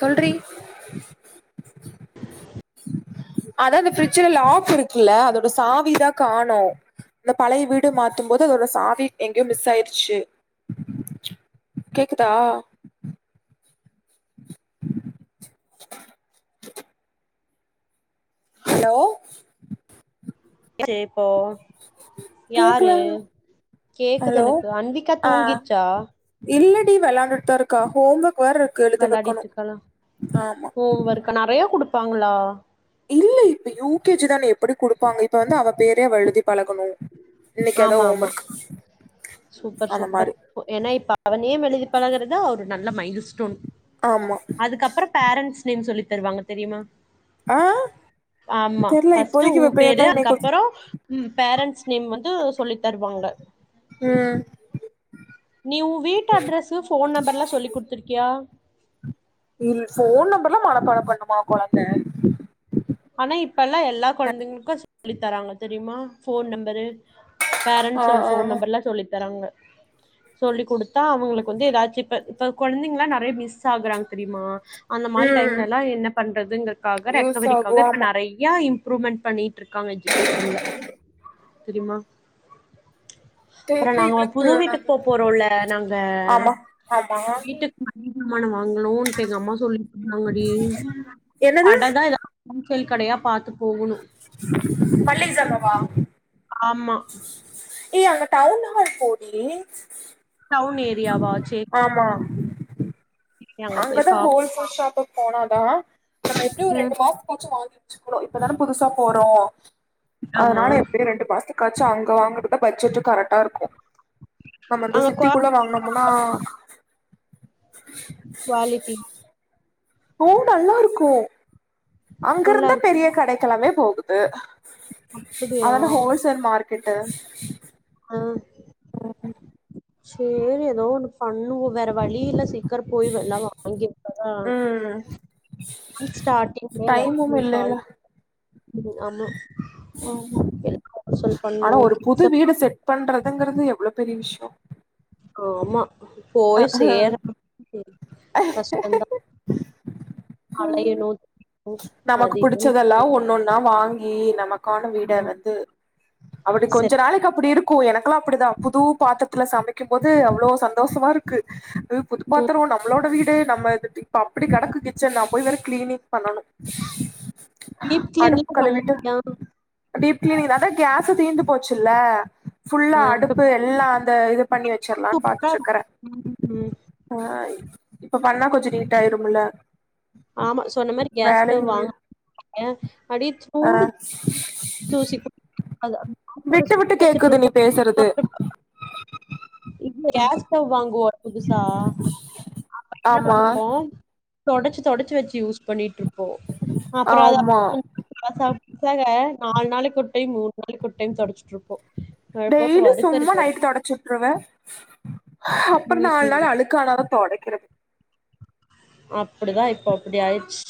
சொல்றீ அதா அந்த ஃப்ரிட்ஜுல லாக் இருக்குல்ல அதோட சாவிதா காணு இந்த பழைய வீடு மாத்தும்போது அதோட சாவி எங்கயோ மிஸ் ஆயிருச்சு கேக்குதா ஹலோ [inaudible] இப்போ யாரு கேக்கல கேக்குது ஹலோ எனக்கு அன்விகா ஆ தூங்கிட்ச்சா இல்லடி வெளாண்டுட்டு தா இருக்கா ஹோம் ஒர்க் வேற இருக்கு எழுத வெக்கணு வெளாடிட்ருக்காலா ஆமா ஓ ஒர்க்கா நறையா குடு ப்பாங்ளா இல்ல இப்ப யூ கே ஜி தான எப்டி குடுப்பாங்க இப்ப வந்து அவ பேரே அவ எழுதிப் பழகணு இன்னக்கி அதா ஆமா ஓம் ஆமா ஒர்க் சூப்பர் அந்த சூப்பர் மாரி ஏன்னா இப்ப அவ நேம் எழுதி பழகுறதா ஒரு நல்ல மைல் ஸ்டோன் ஆமா அதுக்கப்றொ பேரண்ட்ஸ் நேம் சொல்லி தருவாங்க தெரியுமா ஆ ஆமா தெர்ல ஃபஸ்ட்டு இப்போதைக்கு இவ ஊம் பேர் பேரு தா இன்னைக்கு அதுக்கப்பறொ ம் பேரண்ட்ஸ் நேம் வந்து சொல்லி தருவாங்க ம் நீ ஊ வீட் அட்ரஸு ஃபோன் நம்பர்லா சொல்லிக் குடுத்துர்க்கியா இல் ஃபோன் நம்பர்லா மனப்பாடம் பண்ணுமா கொழந்த ஆனா இப்பல்லா எல்லாக் கொழந்தைகளுக்கு சொல்லி தராங்க தெரியுமா ஃபோன் நம்பரு ஆ பேரன்ட்ஸோட ஆ ஃபோன் நம்பர்லா சொல்லி தராங்க சொல்லி்க் குடுத்தா அவங்களுக்கு வந்து ஏதாச்சு இப்ப இப்ப கொழந்தைங்களா நறையா மிஸ் ஆகுறாங்க தெரியுமா அந்த மாரி ம் டைம்லேல்லா என்ன பண்றதுங்கக்காக யூஸ் ரெக்கவரி ஆகு காக இப்ப ஆமா நறையா இம்ப்ரூவ்மெண்ட் பண்ணி ட்ருக்காங்க எஜுகேஷன்ல தெரிய்மா அப்றொ தெர்ல நாங்க இவளுக்கு புது வீட்டுக் நானு போப் போறோல்ல நாங்க ஆமா ஆமா வீட்டுக் [unintelligible] வாங்கணூன்ட்டு எங்க அம்மா சொல்லி [unintelligible] கடதா எதொ அங்குள் கடையா பாத்து மள்ளிக ஜாமாவா ஆமா ஏ அங்க டவுன்ஹால் போடீ டவுன் ஏரியாவா சேரி ஆமா அங்க போய் அங்கதா பாப்போ ஹோல்சேல் ஷாப்புக் போனாதா நம்ம எப்டி ஒரு ம் ரெண்டு மாசத்துக்காச்சு வாங்கி வெச்சுக்ணு இப்பதான புதுசா போறோ ஆமா அதுனால எப்டியோ ரெண்டு மாசத்துக்காச்சு அங்க வாங்குறதா பட்ஜெட்டு கரெக் ல்லாருக்கு நம்ம இந்த அங்க குவா சிட்டிக்குள்ள வாங்குனம்னா குவாலிட்டி ஓ நல்லா இருக்கு நல்லா அங்கிருந்த இருக்கு பெரிய கடைக்கிழமே போக து அப்படியா அதன ஹோல்சேல் மார் கெட்ட ஆஹ் உ சரி ஏதோ ஒண்ணு பண்ணுவோ வேற வழியில சீக்கிரம் போய்ல்லாம் வாங்கிருக்காங ம் நான் ஸ்டாட்டிங்க்லயே [inaudible] டைமும் இல்லல்ல ஆ மால் பண்ண ஆனா ஒரு புது வீடு செட் பண்றதுங்கிறது எவ்ளோ பெரிய விஷயம் ஆமா போய் சேர கஷ்டந்தா அலையணு நமக்கு அது இதுன்னு புடிச்சதெல்லாம் ஒண்ணொன்னா வாங் கி நமக் கான வீட வந்து அவடு கொஞ்ச செட் நாளைக்கப்புடி இருக்கு எனக்குல்லா அப்புடிதா புது பாத்தர்த்துல சமைக்கும்போது அவ்ளோ சந்தோஸமாருக் அ புதுப்பாத்துரோ நம்ளோட வீடு நம்ம இப்ப அப்டி கெடக்கு கிச்சன் நா போய் து வேற க்ளீனி பண்ணணு டீப் அடுப் கிளீன்லா கழுவிட்டு பண்ணியா டீப் கிளீனிங் அதா கேஸு தீந்து போச்சுல்ல ஃபுல்லா ஆ இப்ப அடுப்பு எல்லா அந்த இது பண்ணி வச்சற்லான் பக்கா இருக்கு. பாத்துட்ருக்கறே ம் ம் ஆ இப்ப பண்ணா கொஞ்சொ நீட்டாயிரு முல்ல ஆமா சொன்ன மாரி கேஸ் ஸ்டவ் வாங்க [inaudible] அடிச்சூடு தோசிப்பா அத விட்டு விட்டு [inaudible] கேக்குது நீ வச்சட்ருப்போ பேசறது [inaudible] இல்ல கேஸ் ஸ்டவ் வாங்குவோ புதுசா அப்போ‌ என்ன ஆமா பண்ணுவோ தொடச்சு தொடச்சு வச்சு யூஸ் பண்ணிட்ருப் போ அப்புற அத ஆமா [inaudible] நால் நாளை கொட்டையும் மூண் நாள் கொட்டையும் தொடச்சிட்ருப்போ டெய்லி சும்மா நைட்டு தொடச்சுட்ருவே அப்பற் நால் நாள் அழுக்கானாத தொடக்கிற அப்புடிதா இப்போ அப்புடி ஆயிர்ச்சு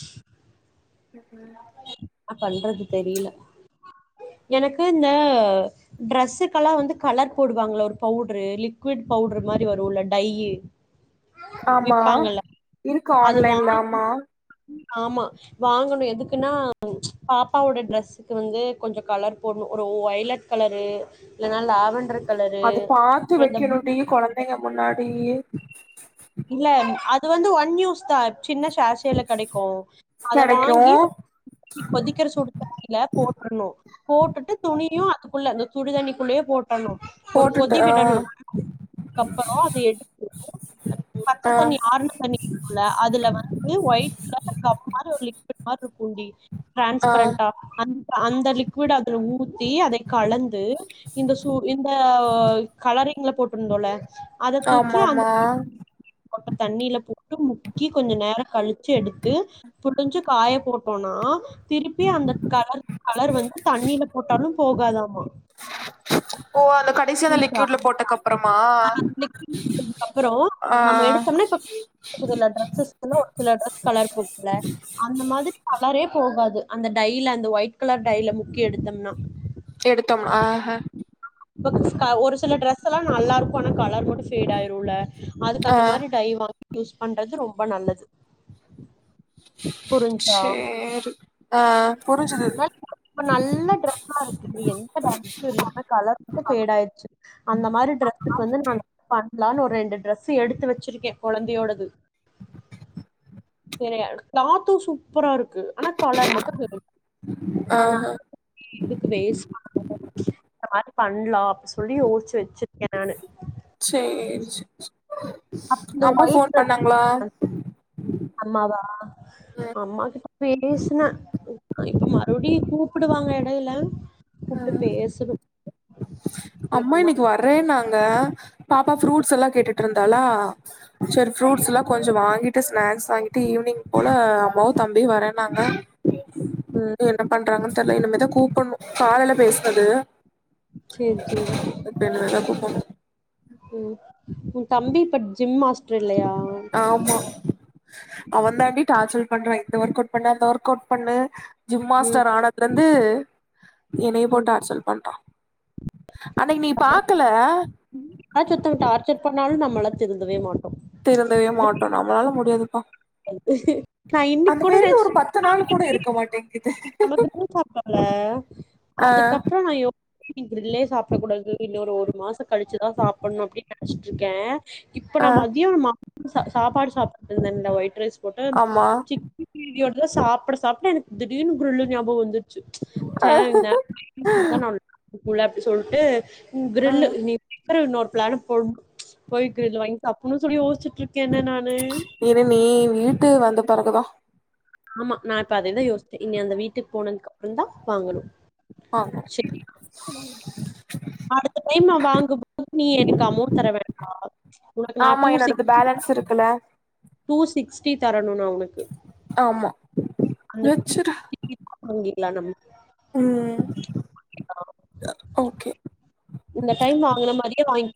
ஆ பண்றது தெரில எனக்கு இந்த ட்ரெஸ்ஸுக்கல்லா வந்து கலர் போடுவாங்ள ஒரு பவுட்ரு லிக்விட் பவுட்ரு மாரி வருல்ல டையி ஆமா இருக்கு அது ஆன்லைன்ல வாங்கி ஆமா ஆமா வாங்கணு எதுக் க்குன்னா பாப்பாவோட ட்ரெஸ்சுக்கு வந்து கொஞ்சோ கலர் போடணு ஒரு ஒ ஒய்லட் கலரு இல்லனா லாவண்ட்ரு அது பாத்து வெக்கணுன்டி கொழந்திங்க முன்னாடி இல்ல அது வந்து ஒன் யூஸ் தா சின்ன ஷா ஷேல கெடைக்கு அத கெடைக்கு வாங்கி கொதிக்குற சுடுதண்ணில போட்றணு போட்டுட்டு துணியு துக்குள்ள அந்த சுடுதண்ணிக்குள்ளயே போட் டணு ஒரு போட்டுட்டு கொதி ஆ விடணு அதுக்கபுறோ அத எடுத்து பச்ச ஆ தண்ணி ஆறுன தண்ணி இருக்குல்ல அதுல வந்து ஒயிட்ல கம் மாரி ஒரு லிக்விட் மார்ருக்குன்டி ஆ ட்ரான்ஸ்பரண்டா அந்த லிக்விட் அதுல ஊத்தி அத கலந்து இந்த சு இந்த கலரி ங்கள போட்டுருந்தோல ஆமாம்மா கொட்ட தண்ணியில போ முக்கி கொஞ்ச நேரம் கழிச்சு எடுத்து புழிஞ்சு காய போட்டோம்னா திருப்பி அந்த கலர் கலர் வந்து தண்ணீல போட்டாலு போகாதாமா கடைசிய் அந்த லிக்விட் போட்டகப்புற ஹ் துப்புறம் ஆ நம்ம எடுத்தம்னா இப்ப டரெஸ் ஒரு சில டரெஸ் கலர் போக்கும்ல அந்த மாதிரி கலரே போகாது அந்த டையில அந்த ஒயிட் கலர் டையில முக்கி எடுத்தம்னா எடுத்தம்னா ஆஹஹ ப்ப ஒரு சில டிரெஸ் ல்லா நல்லா இருக்கு ஆனா கலர் மட்டும் பேட் ஆயிரும்ல அதுக்கு ஆ அந்த மாரி டை வாங்கி யூஸ் பண்றது ரொம்ப ரொம்ப நல்லது புரிஞ்சா சேரி ஆஹ் நல்ல டிரெஸ்சா இருக்கு டி எந்த கலர் வந்து பேட் ஆயிச்சு அந்த மாரி டிரெசுக்கு வந்து நான் ஒரு ரெண்டு டிரஸ்சு எடுத்து வெச்சிருக்க கெழந்தையோடது [inaudible] கிலாத்தும் சூப்பரா இருக்கு ஆனா கலர் மட்டும் பேட் ஆனால ஆஹ எதுக்கு வேஸ்ட்டு பண்ணனு பண்ணலா அப்பி சொல்லி யேசிச்சு வெச்சு சேரி சேரி அப்ப இந்த அம்மா ஒயிட் ஃபோன் ட்ரெஸ் பண்ணாங்ளா அம்மாவா அம்மாக்கிட்ட பேஸ்ன இப்ப மறுவ்டியு கூப்டுவாங்க எடைய்ல கூப்ட்டு பேசணு அம்மா இன்னக்கி வர்றேன்னாங்க பாப்பா ஃப்ரூட்ஸ் எல்லா கேட்டுட்ருந்தாலா சரி ஃப்ரூட்ஸ்லா கொஞ்சொ வாங்கிட்டு ஸ்நாக்ஸ் வாங் டி ஈவ்னிங் போல அம்மாவு தம்பியு வரன்னாங்க ம் என்ன பண்றாங்கன் தெர்ல இன்னமேதா கூப்புண்ணு காலைல பேஸ்னது சேரி சேரி புண்ணு ம் உ தம்பி இப்ப ஜிம் மாஸ் ல்லலா அவந் தாண்டி டாச்சல் பண்ற இந்த ஒர்க் அவுட் பண்ணு அந்த ஒர்க் அவுட் பண்ணு ஜிம் ம் மாஸ்டர் ஆனத்லெர் ந்து என்னையு போட் ம் டார்சல் பண்றா அன்னக்கி நீ பாக்கல யாராச்சு ஒருத்தங்க டார்ச்சர் பண்ணாலு நம்மலா திருந்தவே மாட்டோ திருந்தவே மாட்டோ நம்மளால முடியாது ஓ நா இன்னைக்கு கூட நெனச்ச ஒரு பத்து நாள் கூட இருக்க மாட்டேங்குது [unintelligible] சாப்பல்ல ஆ அதுக்கப்றோ நா வீட்ல சாப்டக் கூடாது இன்னொரு ஒரு மாச கழிச்சுதா சாப்புட்ணு அப்டின்னு நெனச்சிட்ருக்க இப்ப நா ஆ மதியானமா ச சாப்பாடு சாப்ட்டு [unintelligible] ட்ரஸ் ஒட்ட ஆமா [inaudible] எ சாப்ட சாப்ட் ட எனக்கு திடீரெனு [unintelligible] ஞாபகோ வந்து [unintelligible] [unintelligible] அப்டி சொல்ட்டு ம் கிரில்லு நீ [inaudible] இன்னொரு பிளான போட் போய் கிரில்லு வாங்கி சாப்புட்னு சொல்லி யோசிச்சுட்ருக்கேன நா [unintelligible] ட்டு வந்த பெறகுதா ஆமா நா இப்ப அதேதா யோசிச்ச இங்க அந்த வீட்டுக்கு போனதுக்கு அப்றோ தா வாங்கணு ஆமா செரி அடுத்த டைம் நா வாங்கும்போது நீ எனக்கு அமோண்ட் தர வேண்டா உனக்கு நா ஆமா டூ என்னோடது சிக்ஸ்டி பேலன்ஸ் இருக்குல டூ சிக்ஸ்டி த தரணு நா அவனுக்கு ஆமா வச்சிரு நம்ம ம் ஓகே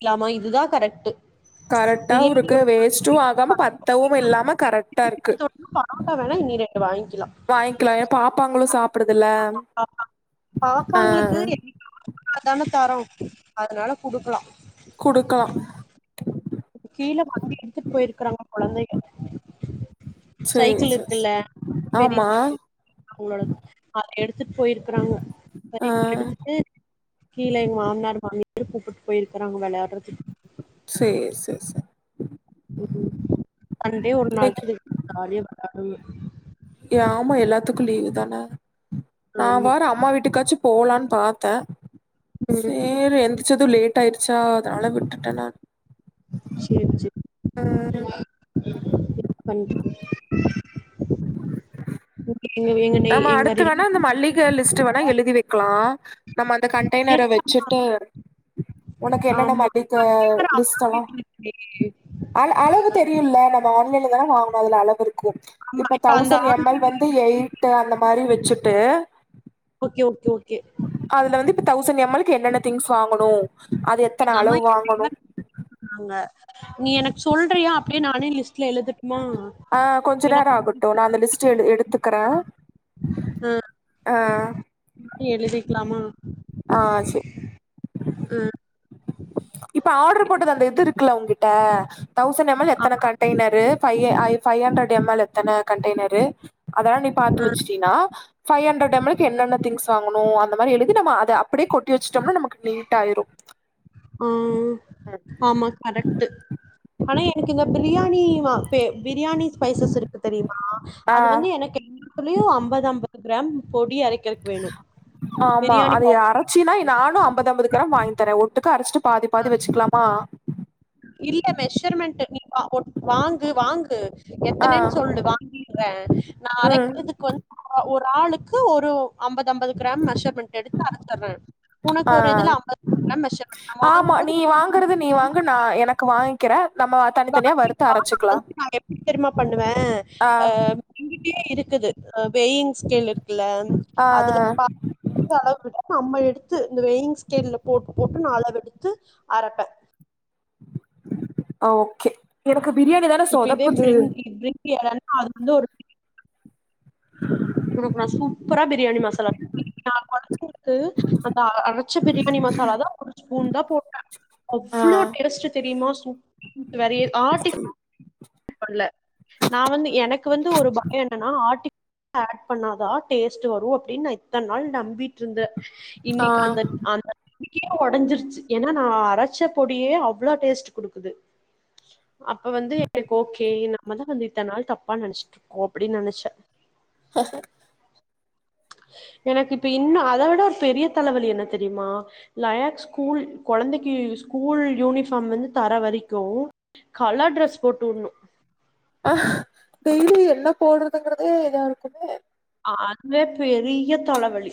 இல்லாமா இதுதா கரெக்ட்டு கரெக்டாவ இருக்கு வேஸ்ட்டும் ஆகாம பத்தவும் இல்லாம கரெக்ட்டாவு இருக்கு வாங்கிட்டோம்னா வேஸ்ட்டு பரோட்டா வேணா இனி ரெண்டு ஆகாம வாங்கிக்கலாம் பத்தவுமில்லாம கரெக்ட்டா இருக்கு வாய்ங்கலா ஏ பாப்பாங்களு சாப்புடுதுல ஆ பாப்பாங்களுக்கு அ அதுனால குடுக்கலா குடுக்கலா கீழ வண்டி எடுத்துட் போயிர்க்குறாங்க கொழந்தைய சேரி சைக்கிள் சேரி சே இருக்குல்ல பெரி ஆமா [inaudible] அவங்களோ அத எடுத்துட்டு போயிருக்குறாங்க ஆ எடுத்துட்டு கீழ எங்க மாம்னார் மாமி கூப்புட் போயிர்க்கா ங்க வெளையாட்றத்து சார் [unintelligible] ம் சண்டே ஒரு நாள்தா இன்னைக்கு [inaudible] ம் ஆமா எல்லாத்துக்கும் லீவு தானே நான் ஆமா வாறே அம்மா வீட்டுக்காச்சும் போலான்னு பார்த்தேன் ம் சேரி எந்துருச்சுதும் லேட் ஆயிடுச்சா அதனால விட்டுட்டேன் நான் சேரி சேரி [inaudible] பன்று [unintelligible] [unintelligible] எங்க நம்ம அடுத்து எங்கதுல் வேணா இந்த மல்லிக லிஸ்ட் வேணா எழுதி வைக்கலாம் நம்ம அந்த கண்டெய்னரை வச்சுட்டு உனக்கு என்னென்ன ஆமா மதிக்கு கேக்குற அம்மா லிஸ்டலாம் [unintelligible] தெரியுமில்ல நம்ம ஆன்லைன்ல தான வாங்கணும் அது அளவு இருக்கு கு ஆமா இப்ப அந்த தௌசண் எம் எல் ஆன்லைன் வந்து எய் அந்த மாரி வெச்சுட்டு ஓகே ஓகே ஓகே அதுல வந்து இப்ப தௌசண்ட் எம் எல்க்கு என்னென்ன திங்ஸ் வாங்கணு அது எத்தன எங்க அம்மா அளவு வாங்கணு என்ன சொன்னாங்க நீ எனக் சொல்றியா அப்டியே நானே லிஸ்ட்ல எழுதிட் ஆ கொஞ்ச நேரொ ஆகட்டு நா அந்த லிஸ்ட்ட எழு எடுத் துக்ற ஆ ஆ எழுதிக்லாமா ஆ சே இப்ப ஆட்ரு‌ போட்டது அந்த இது இருக்குல்ல ஊங்க்கிட்ட தௌசண் எம் எல் எத்தன கண்ட்டைனரு ஃபைய அ ஃபை அண்ட்ரட் எம்மல் எத்தன கண்ட்டெய்னரு அதலா நீ பாத்து வெச்சிட்டீனா ஃபை ஹண்ரட் எம்மல்க்கு என்னென்ன திங்க்ஸ் வா ங்கணு அந்த மாரி எழுதி நம்ம அத அப்டே கொட்டி வெச்சிட்டோம்னா நமக்கு நீட்டாயிரு ஆ ஆமா கரெக்ட்டு ஆனா எனக்கு இங்க பிரியாணி வா பே பி பிரியாணி ஸ்பைசஸ் இருக்கு தெரியுமா ஆ அது வந்து எனக்கு [inaudible] [unintelligible] யு அம்பதம்பது கிராம் பொடி அரைக்கறக்கு வேணு ஆமா பிரியாணி அதைய பவுடர் அரச்சீனா நானோ அம்பதம்பது கிராம் வாங்கி தர ஒட்டுக்கா அரச்சிட்டு பாதி பாதி வெச்சுக்லாமா இல்ல மெஷர்மெண்ட்டு நீ வா ஒட் வாங்கு வாங்கு ஆ எத்தனன் சொல்லு வாங்கிட்ற‌ நா ம் அரைக்கிறதுக்கு வந் ஆ ஒட் ஒராளுக்கு ஒரு ஒ அம்பதம்பது கிராம் மெஷர்மண்ட் எடுத்து அரசர்ற ஆ உனக்கொரு இதுல அம்பது கிராம் மெஷர்மெண்ட் நம் வாங்கும்போது [unintelligible] வாயிங்க்கிற வாங்கிட்டு வா நா வந்து நா எப்புடி தெரியுமா பண்ணுவ ஆ அ எங்கிட்டியே இருக்குது அ வெயின்ஸ்கேலுருக் க்குலங் ஆ அதுல [unintelligible] எடுத்து இந்த வெய்ங்ஸ்கேல்ல போட்டு போட்டு நா அளவெடுத்து அரப்ப ஆ ஓக்கே க்கு பிரியாணி தான இப்ப இதே சொதப்புது பிரிங் [unintelligible] உனக்கு நா சூப்பரா பிரியாணி மசாலா நா கொழந்தைங்களுக்கு அந்த அரச்ச பிரியாணி மசாலா தா ஒரு ஸ்பூன் தா போட்ட ஆ அவ்ளோ டேஸ்ட்டு தெரிமா [unintelligible] ஆட்டி சொல்ல நா வந்து எனக்கு வந்து ஒரு பயோ என்னன்னா ஆட்டி ஆட் பண்ணாதா டேஸ்ட்டு வரு அப்டின்னு இத்தன்னாள் நம்பீட்ருந்த ஆ இன்னிக்கு அந்த அந்த [unintelligible] ஒடஞ்சிர்ச்சு ஏன்னா நா அரச்ச பொடியே அவ்ளோ டேஸ்ட் குடுக்குது அப்ப வந்து இப்ப ஓக்கே நம்மதா வந்து இத்தநாள் தப்பா நனச்சுட்ருக்கோ அப்டி நனச்ச ஹ ஹ எனக்கிப்ப இன்னு அத விட ஒரு பெரிய தலவலி என்ன தெரிமா லயாக் ஸ்கூல் கொழந்தைக்கி ஸ்கூல் யூனிபார்ம் வந்து தர வரிக்கு‌‌ கலர் டரெஸ் போட்டு உட்னும் ஆஹ் டெய்லி என்ன போடுறதுங்கறதே எல்லாருக்குமே அது பே பெரிய தலவலி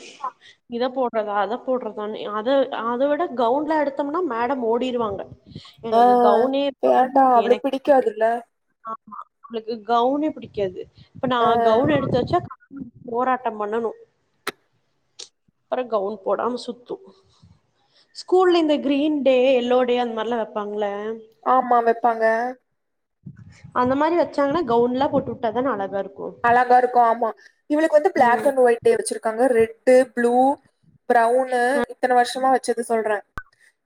இத போ போடுறதா அத போடுறதானே அத அத விட கவுண்ல எடுத்தோம்னா மேடம் ஓடிடுவாங்க ஆஹ் வேண்டா அவளுக்கு பிடிக்காதுல்ல ஆமா உங்களுக்கு கவுனே பிடிக்காது இப்ப ஆ நான் கவுன் எடுத்து வச்சா போராட்டம் பண்ணனும் ப்ச் அப்புறம் கவுன் போடாம சுத்தும் ஸ்கூல்ல இந்த கிரீன் டே எல்லோ டே அந்த மாரிலாம் வைப்பாங்கள ஆமா வைப்பாங்க அந்த மாரி வச்சாங்கன்னா கவுன் லாம் போட்டு வுட்டாதான அழகா இருக்கும் அழகா இருக்கும் ஆமா இவளுக்கு வந்து பிளாக் ம் அண்ட் ஒயிட்டே வச்சிருக்காங்க ரெட் ரெட் ப்ளூ ஃபரவுன் இத்தனை வருஷமா வச்சது சொல்றேன்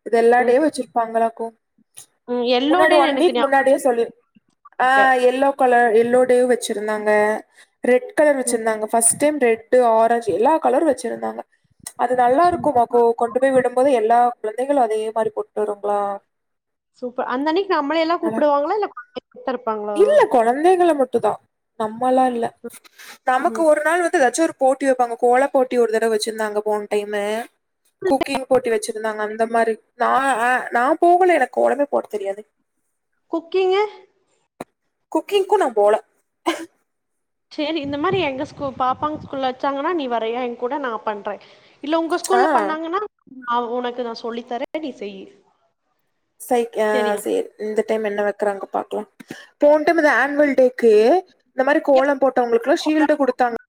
இது எல்லா டே வச்சிருப்பாங்களுக்கும் ப்ச் ம் எல்லோ முன்னாடி டேன்னு ஒன் எனக்கு வீக் ஞாபகோ முன்னாடியே சொல்லி இருக்கு ஆஹ் எல்லோ கலர் எ லோடே வச்சிருந்தாங்க அ ரெட்கலர் ம் வச்சிருந்தாங்கஃபஸ்ட் டைம் ரெட் ட்டு ஆரஞ்சு எல்லா கலர் வச்சிருந்தாங்க அது நல்லா சூப்பர் இருக்கும்மாகோ கொண்டு போய் விடும்போது எல்லா குழந்தைகளும் அதே மாரி போட்டு வரும்ங்களா சூப்பர் அந்த அன்னைக்கு நம்ள எல்லா அழ- கூப்பிடுவாங்களா இல்ல [inaudible] இருப்பாங்களா கள மட்டுதா நம் மல்லா இல்ல நமக்கு ம் ஒரு நாள் வந்து வெச்சுர் போட்டி வெப்பாங்க கோல போட்டி ஒரு தடவ வச்சிருந்தாங்க போன டைமு குக்கிங் போட்டி வச்சிருந்தாங்க அந்த மாரி நா ஆ நா போகல எனக்கு கோலமே போட தெரியாது குக்கிங்கு குக்கிங்க்கு நா போல சேரி இந்த மாரி எங்க ஸ்கூ பாப்பாங்க ஸ்கூல்ல வெச்சாங்கன்னா நீ வரைய எ கூட நா பண்றே இல்ல உங்க ஆ ஸ்கூல்ல பண்ணாங்கன்னா அ உனக்கு நா சொல்லி தரே நீ செய்யி சை அ செரியா சேரி இந்த டைம் என்ன வெக்கறாங்க பாக் லா போன் டைமு இந்த ஆனுவல் டேக்கு இந்த மாரி கோலம் போட்டவங்களுக்கெல்லா ஷீல்டு குடுத்தாங்க